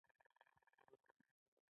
قدم د معاش زیاتوالی دی